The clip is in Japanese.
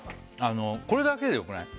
これだけでよくない？